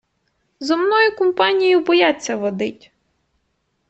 Зо мною кумпанію бояться водить.